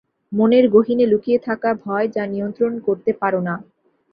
মনের গহীনে লুকিয়ে থাকা ভয় যা নিয়ন্ত্রণ করতে পারো না!